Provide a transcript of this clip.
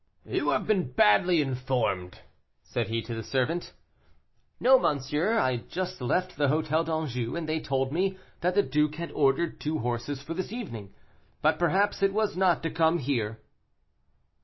"You have been badly informed," said he to the servant. "No, monsieur, I have just left the Hôtel d'Anjou, and they told me that the duke had ordered two horses for this evening. But perhaps it was not to come here."